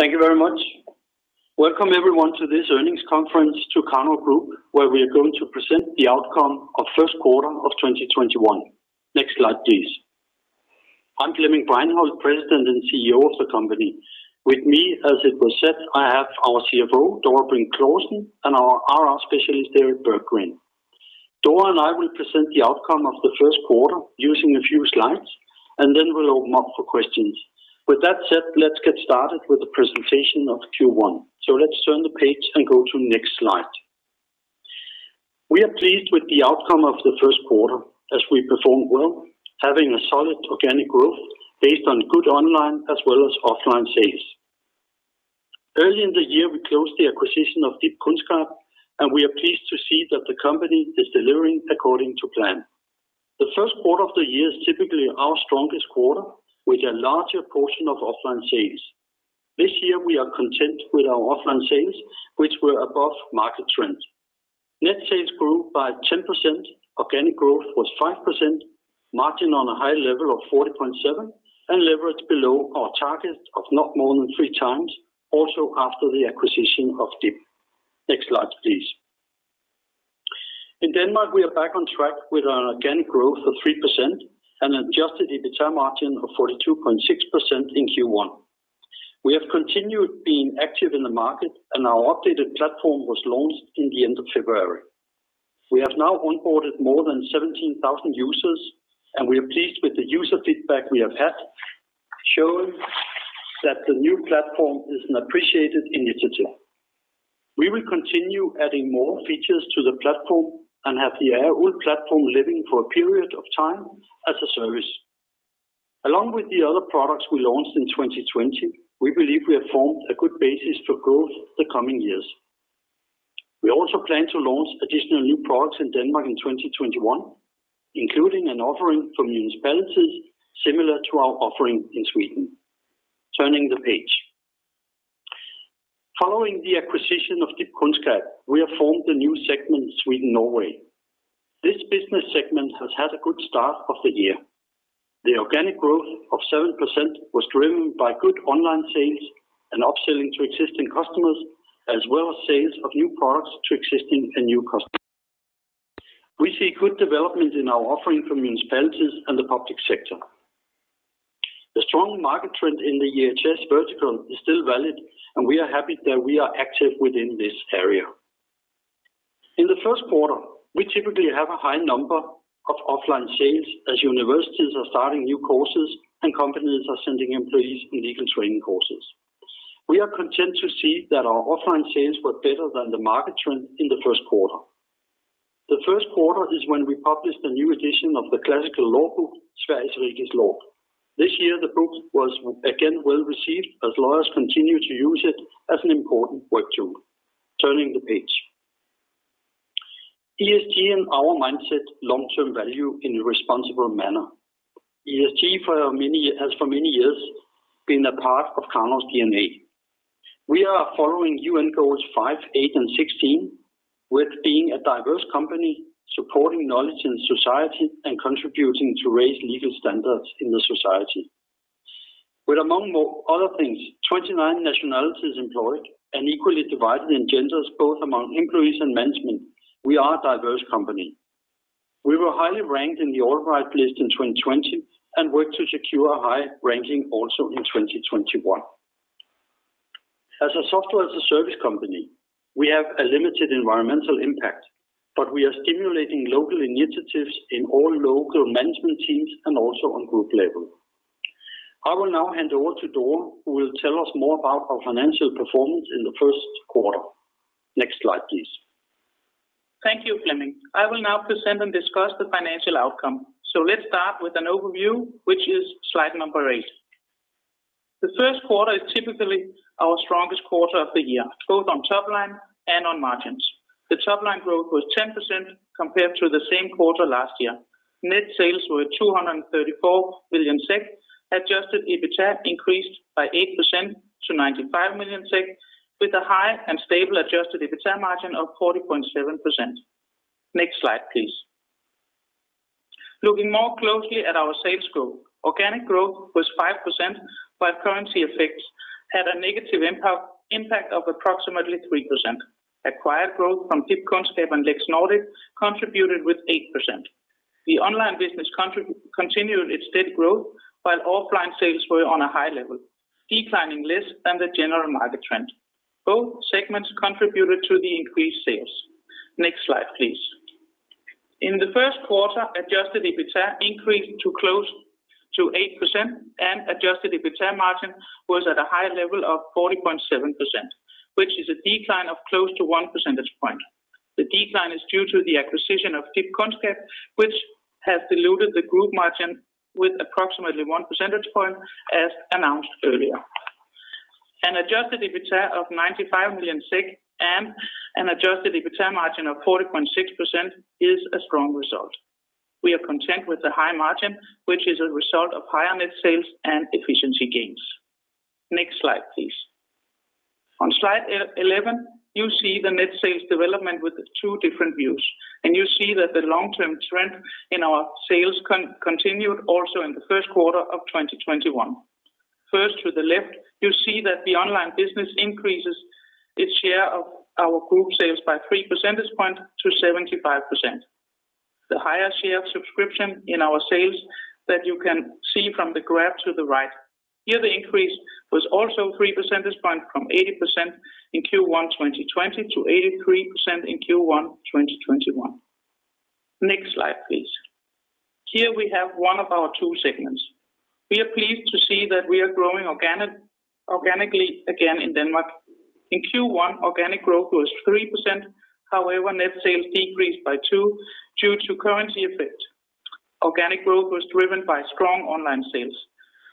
Thank you very much. Welcome everyone to this earnings conference to Karnov Group, where we are going to present the outcome of first quarter of 2021. Next slide, please. I am Flemming Breinholt, President and CEO of the company. With me, as it was said, I have our CFO, Dora Brink Clausen, and our IR specialist, Erik Berggren. Dora and I will present the outcome of the first quarter using a few slides, and then we will open up for questions. With that said, let's get started with the presentation of Q1. Let's turn the page and go to next slide. We are pleased with the outcome of the first quarter as we performed well, having a solid organic growth based on good online as well as offline sales. Early in the year, we closed the acquisition of DIBkunnskap, and we are pleased to see that the company is delivering according to plan. The first quarter of the year is typically our strongest quarter with a larger portion of offline sales. This year, we are content with our offline sales, which were above market trend. Net sales grew by 10%, organic growth was 5%, margin on a high level of 40.7%, and leverage below our target of not more than three times, also after the acquisition of DIB. Next slide, please. In Denmark, we are back on track with an organic growth of 3% and adjusted EBITA margin of 42.6% in Q1. We have continued being active in the market, and our updated platform was launched in the end of February. We have now onboarded more than 17,000 users, and we are pleased with the user feedback we have had, showing that the new platform is an appreciated initiative. We will continue adding more features to the platform and have the entire whole platform living for a period of time as a service. Along with the other products we launched in 2020, we believe we have formed a good basis for growth the coming years. We also plan to launch additional new products in Denmark in 2021, including an offering for municipalities similar to our offering in Sweden. Turning the page. Following the acquisition of DIBkunnskap, we have formed a new segment in Sweden, Norway. This business segment has had a good start of the year. The organic growth of 7% was driven by good online sales and upselling to existing customers, as well as sales of new products to existing and new customers. We see good development in our offering for municipalities and the public sector. The strong market trend in the EHS vertical is still valid, and we are happy that we are active within this area. In the first quarter, we typically have a high number of offline sales as universities are starting new courses and companies are sending employees in legal training courses. We are content to see that our offline sales were better than the market trend in the first quarter. The first quarter is when we published a new edition of the classical law book, Sveriges Rikes Lag. This year, the book was again well-received as lawyers continue to use it as an important work tool. Turning the page. ESG and our mindset, long-term value in a responsible manner. ESG has for many years been a part of Karnov's DNA. We are following UN goals five, eight, and 16 with being a diverse company, supporting knowledge in society, and contributing to raise legal standards in the society. With among other things, 29 nationalities employed and equally divided in genders, both among employees and management, we are a diverse company. We were highly ranked in the AllBright list in 2020 and work to secure a high ranking also in 2021. As a software-as-a-service company, we have a limited environmental impact. We are stimulating local initiatives in all local management teams and also on group level. I will now hand over to Dora, who will tell us more about our financial performance in the first quarter. Next slide, please. Thank you, Flemming. I will now present and discuss the financial outcome. Let's start with an overview, which is slide number eight. The first quarter is typically our strongest quarter of the year, both on top line and on margins. The top-line growth was 10% compared to the same quarter last year. Net sales were 234 million SEK, adjusted EBITA increased by 8% to 95 million SEK with a high and stable adjusted EBITA margin of 40.7%. Next slide, please. Looking more closely at our sales growth, organic growth was 5%, but currency effects had a negative impact of approximately 3%. Acquired growth from DIBkunnskap and Lexnova contributed with 8%. The online business continued its steady growth while offline sales were on a high level, declining less than the general market trend. Both segments contributed to the increased sales. Next slide, please. In the first quarter, adjusted EBITA increased to close to 8% and adjusted EBITA margin was at a high level of 40.7%, which is a decline of close to one percentage point. The decline is due to the acquisition of DIBkunnskap, which has diluted the group margin with approximately one percentage point as announced earlier. An adjusted EBITA of 95 million SEK and an adjusted EBITA margin of 40.6% is a strong result. We are content with the high margin, which is a result of higher net sales and efficiency gains. Next slide, please. On slide 11, you see the net sales development with two different views, and you see that the long-term trend in our sales continued also in the first quarter of 2021. First to the left, you see that the online business increases its share of our group sales by 3% to 75%. The higher share of subscription in our sales that you can see from the graph to the right. Here, the increase was also 3% from 80% in Q1 2020 to 83% in Q1 2021. Next slide, please. Here we have one of our two segments. We are pleased to see that we are growing organically again in Denmark. In Q1, organic growth was 3%. However, net sales decreased by two due to currency effect. Organic growth was driven by strong online sales,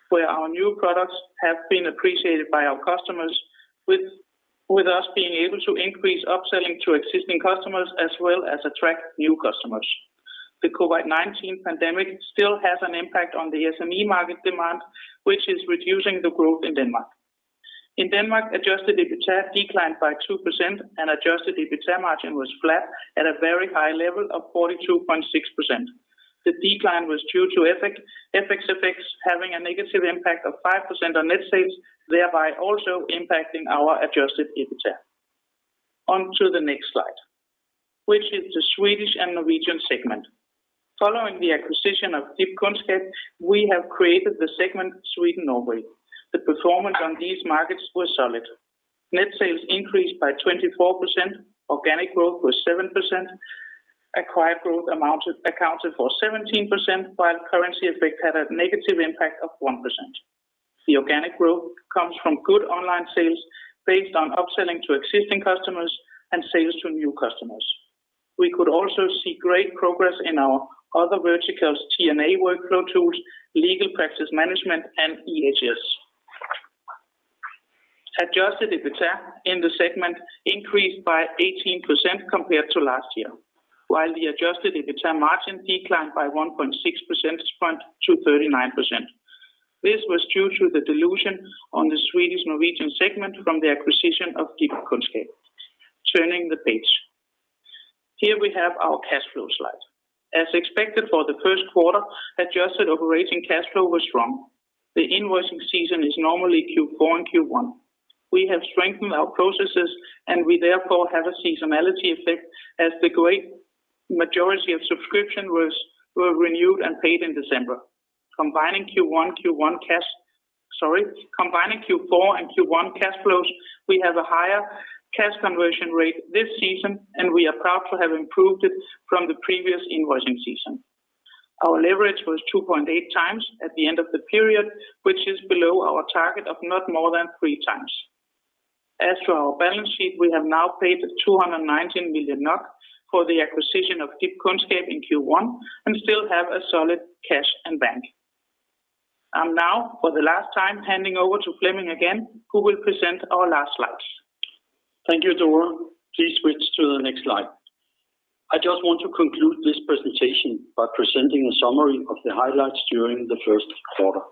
where our new products have been appreciated by our customers with us being able to increase upselling to existing customers as well as attract new customers. The COVID-19 pandemic still has an impact on the SME market demand, which is reducing the growth in Denmark. In Denmark, adjusted EBITA declined by 2% and adjusted EBITA margin was flat at a very high level of 42.6%. The decline was due to FX effects having a negative impact of 5% on net sales, thereby also impacting our adjusted EBITA. On to the next slide, which is the Swedish and Norwegian segment. Following the acquisition of DIBkunnskap, we have created the segment Sweden-Norway. The performance on these markets was solid. Net sales increased by 24%. Organic growth was 7%. Acquired growth accounted for 17%, while currency effect had a negative impact of 1%. The organic growth comes from good online sales based on upselling to existing customers and sales to new customers. We could also see great progress in our other verticals, T&A workflow tools, legal practice management, and EHS. Adjusted EBITA in the segment increased by 18% compared to last year, while the adjusted EBITA margin declined by 1.6% to 39%. This was due to the dilution on the Swedish-Norwegian segment from the acquisition of DIBkunnskap. Turning the page. Here we have our cash flow slide. As expected for the first quarter, adjusted operating cash flow was strong. The invoicing season is normally Q4 and Q1. We have strengthened our processes, and we therefore have a seasonality effect as the great majority of subscription was renewed and paid in December. Combining Q4 and Q1 cash flows, we have a higher cash conversion rate this season, and we are proud to have improved it from the previous invoicing season. Our leverage was 2.8x at the end of the period, which is below our target of not more than three times. As for our balance sheet, we have now paid 219 million NOK for the acquisition of DIBkunnskap in Q1 and still have a solid cash in bank. I'm now, for the last time, handing over to Flemming again, who will present our last slides. Thank you, Dora. Please switch to the next slide. I just want to conclude this presentation by presenting a summary of the highlights during the first quarter.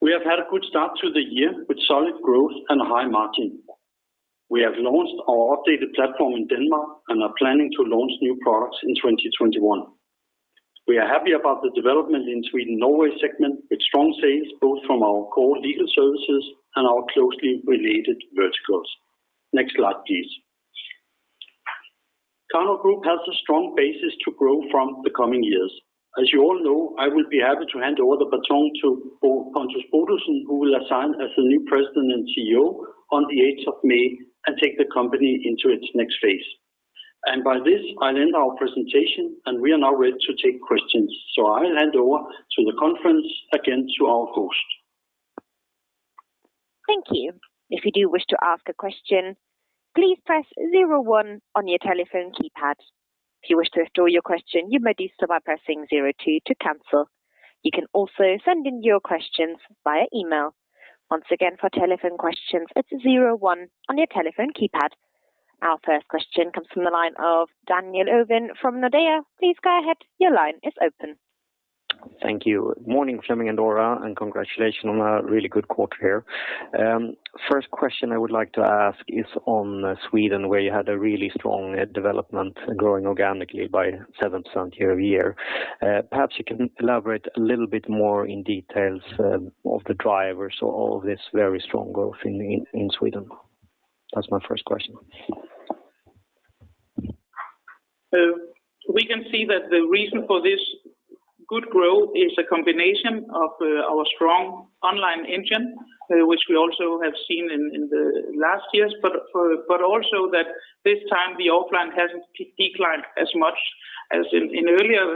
We have had a good start to the year with solid growth and a high margin. We have launched our updated platform in Denmark and are planning to launch new products in 2021. We are happy about the development in Sweden-Norway segment with strong sales both from our core legal services and our closely related verticals. Next slide, please. Karnov Group has a strong basis to grow from the coming years. As you all know, I will be happy to hand over the baton to Pontus Bodelsson who will assume as the new President and CEO on the 8th of May and take the company into its next phase. By this, I'll end our presentation, and we are now ready to take questions. I'll hand over to the conference again to our host. Thank you. If you do wish to ask a question, please press zero one on your telephone keypad. If you wish to withdraw your question, you may do so by pressing zero two to cancel. You can also send in your questions via email. Once again, for telephone questions, it's zero one on your telephone keypad. Our first question comes from the line of Daniel Ovin from Nordea. Please go ahead. Your line is open. Thank you. Morning, Flemming and Dora, and congratulations on a really good quarter here. First question I would like to ask is on Sweden, where you had a really strong development growing organically by 7% year-over-year. Perhaps you can elaborate a little bit more in details of the drivers of all this very strong growth in Sweden. That's my first question. We can see that the reason for this good growth is a combination of our strong online engine, which we also have seen in the last years, but also that this time the offline hasn't declined as much as in earlier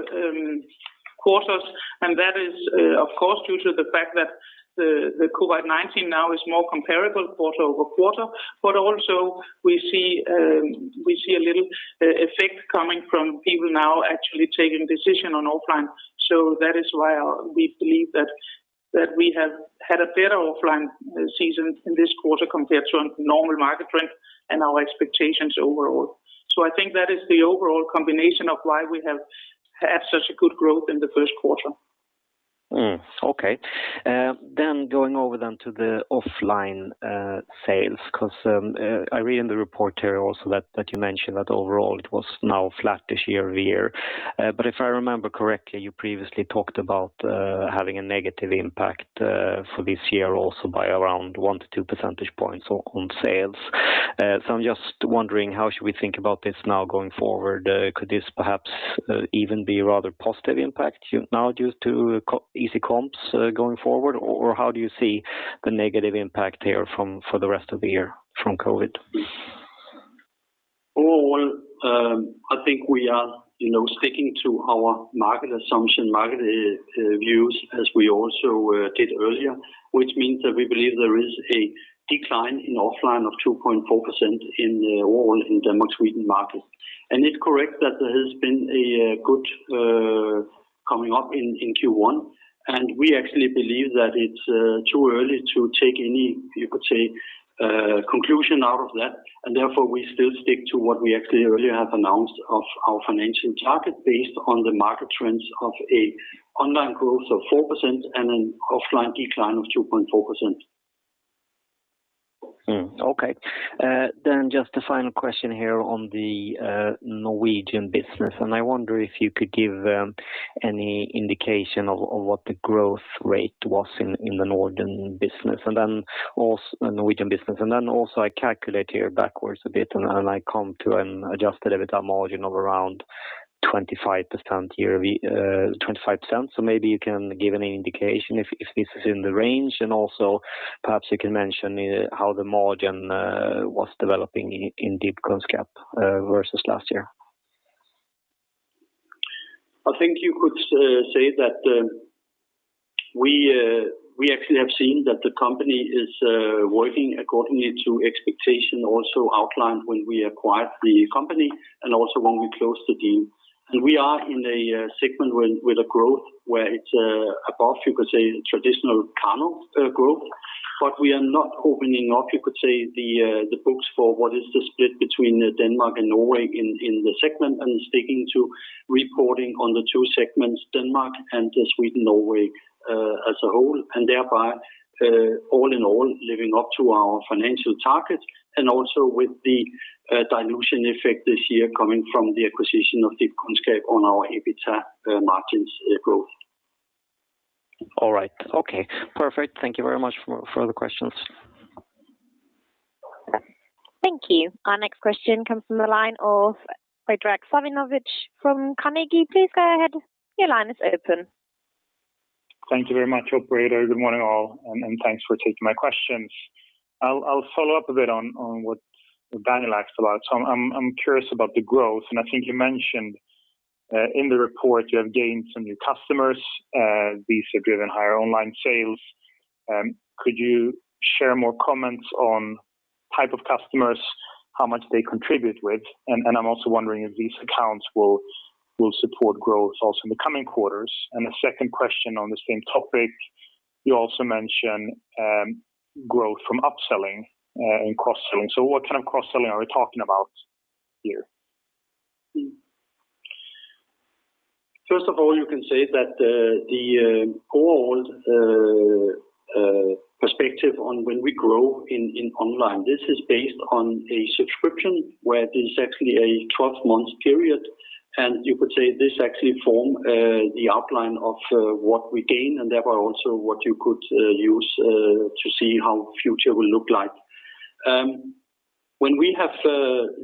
quarters. That is, of course, due to the fact that the COVID-19 now is more comparable quarter-over-quarter. Also we see a little effect coming from people now actually taking decision on offline. That is why we believe that we have had a better offline season in this quarter compared to a normal market trend and our expectations overall. I think that is the overall combination of why we have had such a good growth in the first quarter. Going over then to the offline sales, because I read in the report here also that you mentioned that overall it was now flat this year-over-year. If I remember correctly, you previously talked about having a negative impact for this year also by around one to two percentage points on sales. I'm just wondering how should we think about this now going forward? Could this perhaps even be a rather positive impact now due to easy comps going forward? How do you see the negative impact here for the rest of the year from COVID-19? Overall, I think we are sticking to our market assumption, market views as we also did earlier, which means that we believe there is a decline in offline of 2.4% overall in Denmark and Sweden markets. It's correct that there has been a good coming up in Q1, and we actually believe that it's too early to take any, you could say, conclusion out of that. Therefore, we still stick to what we actually earlier have announced of our financial target based on the market trends of an online growth of 4% and an offline decline of 2.4%. Okay. Just a final question here on the Norwegian business. I wonder if you could give any indication of what the growth rate was in the Norwegian business. Also I calculate here backwards a bit and I come to an adjusted EBITDA margin of around 25% here. Maybe you can give an indication if this is in the range. Also perhaps you can mention how the margin was developing in DIBkunnskap versus last year. I think you could say that we actually have seen that the company is working accordingly to expectation, also outlined when we acquired the company and also when we closed the deal. We are in a segment with a growth where it's above, you could say, traditional Karnov Group. We are not opening up, you could say, the books for what is the split between Denmark and Norway in the segment and sticking to reporting on the two segments, Denmark and Sweden, Norway as a whole, and thereby all in all, living up to our financial targets and also with the dilution effect this year coming from the acquisition of DIBkunnskap on our EBITDA margins growth. All right. Okay, perfect. Thank you very much. No further questions. Thank you. Our next question comes from the line of Predrag Savinovic from Carnegie. Please go ahead. Your line is open. Thank you very much, operator. Good morning, all, and thanks for taking my questions. I'll follow up a bit on what Daniel Ovin asked about. I'm curious about the growth, and I think you mentioned in the report you have gained some new customers. These have driven higher online sales. Could you share more comments on type of customers, how much they contribute with? I'm also wondering if these accounts will support growth also in the coming quarters. The second question on the same topic, you also mentioned growth from upselling and cross-selling. What kind of cross-selling are we talking about here? First of all, you can say that the overall perspective on when we grow in online, this is based on a subscription where there is actually a 12-month period, and you could say this actually forms the outline of what we gain and thereby also what you could use to see how future will look like. When we have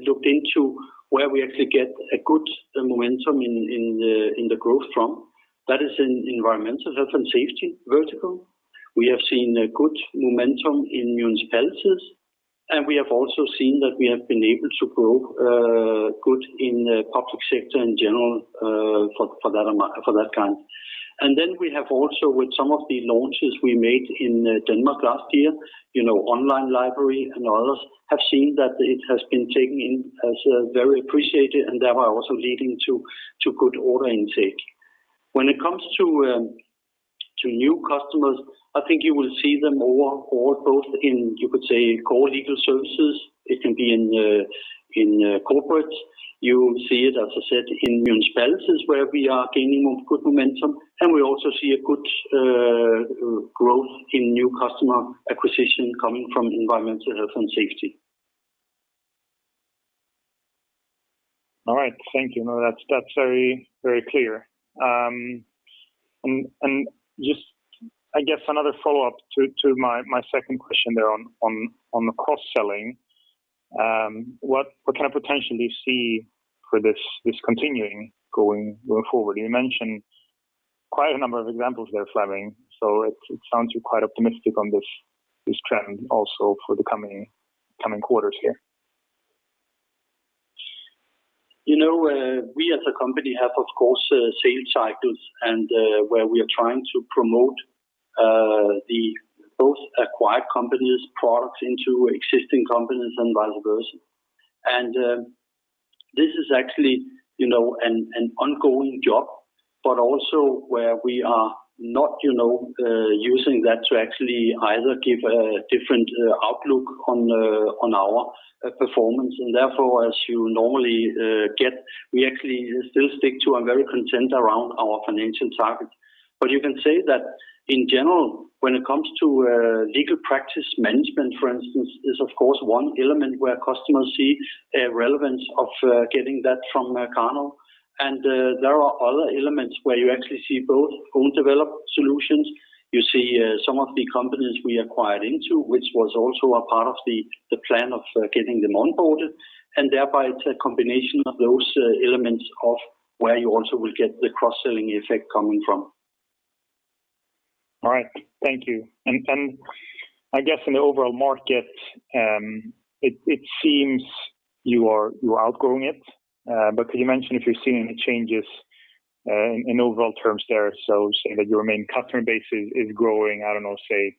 looked into where we actually get a good momentum in the growth from, that is in environmental, health, and safety vertical. We have seen a good momentum in municipalities, and we have also seen that we have been able to grow good in public sector in general for that kind. We have also, with some of the launches we made in Denmark last year, online library and others, have seen that it has been taken in as very appreciated and thereby also leading to good order intake. When it comes to new customers, I think you will see them overall both in, you could say, core legal services. It can be in corporate. You see it, as I said, in municipalities where we are gaining good momentum. We also see a good growth in new customer acquisition coming from environmental, health, and safety. All right. Thank you. No, that's very clear. Just I guess another follow-up to my second question there on the cross-selling. What kind of potential do you see for this continuing going forward? You mentioned quite a number of examples there, Flemming, so it sounds you're quite optimistic on this trend also for the coming quarters here. We as a company have, of course, sales cycles and where we are trying to promote both acquired companies products into existing companies and vice versa. This is actually an ongoing job, but also where we are not using that to actually either give a different outlook on our performance. Therefore, as you normally get, we actually still stick to and very content around our financial target. You can say that in general, when it comes to legal practice management, for instance, is of course one element where customers see a relevance of getting that from Karnov. There are other elements where you actually see both own developed solutions. You see some of the companies we acquired into, which was also a part of the plan of getting them onboarded. Thereby, it's a combination of those elements of where you also will get the cross-selling effect coming from. All right, thank you. I guess in the overall market, it seems you are outgrowing it. Could you mention if you're seeing any changes in overall terms there? Say that your main customer base is growing, I don't know, say,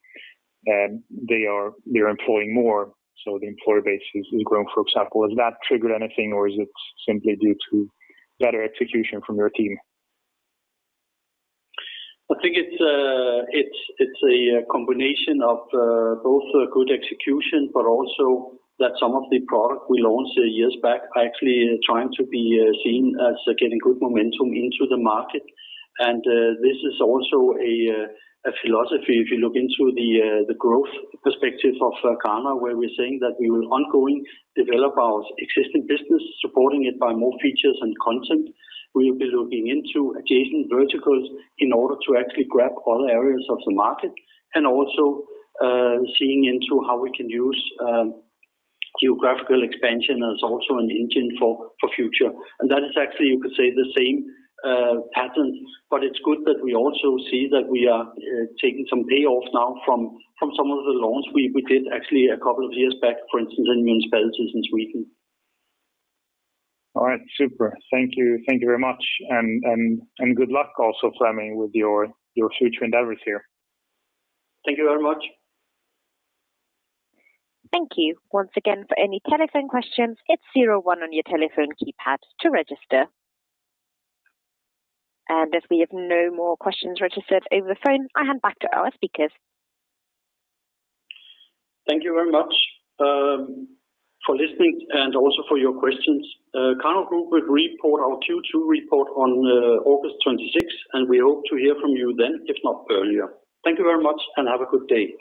you're employing more, so the employer base is growing, for example. Has that triggered anything or is it simply due to better execution from your team? I think it's a combination of both good execution, but also that some of the product we launched years back are actually trying to be seen as getting good momentum into the market. This is also a philosophy, if you look into the growth perspective of Karnov, where we're saying that we will ongoing develop our existing business, supporting it by more features and content. We'll be looking into adjacent verticals in order to actually grab other areas of the market, and also seeing into how we can use geographical expansion as also an engine for future. That is actually, you could say, the same pattern, but it's good that we also see that we are taking some payoff now from some of the loans we did actually a couple of years back, for instance, in municipalities in Sweden. All right, super. Thank you. Thank you very much. Good luck also, Flemming, with your future endeavors here. Thank you very much. Thank you. Once again, for any telephone questions, hit zero one on your telephone keypad to register. As we have no more questions registered over the phone, I hand back to our speakers. Thank you very much for listening and also for your questions. Karnov Group will report our Q2 report on August 26th, and we hope to hear from you then, if not earlier. Thank you very much and have a good day.